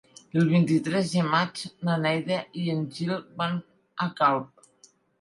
El vint-i-tres de maig na Neida i en Gil van a Calp.